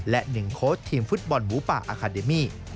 และ๑โค้ชทีมฟุตบอลหมูป่าอาคาเดมี่